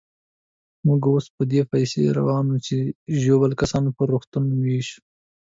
موږ اوس په دې پسې روان وو چې ژوبل کسان پر روغتونو وېشو.